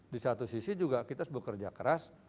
di satu sisi juga kita harus bekerja keras